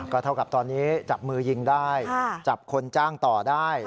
ก็เท่ากับตอนนี้จับมือยิงได้จับคนจ้างต่อได้